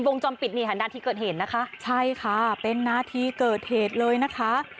จอมปิดนี่ค่ะนาทีเกิดเหตุนะคะใช่ค่ะเป็นนาทีเกิดเหตุเลยนะคะ